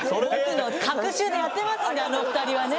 隔週でやってますんであの２人はね。